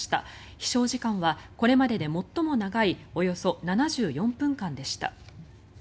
飛翔時間はこれまでで最も長いおよそ７４分間でした。